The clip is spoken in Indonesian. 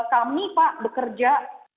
kami pak bekerja